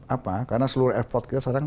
apa karena seluruh effort kita sekarang